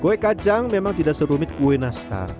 kue kacang memang tidak serumit kue nastar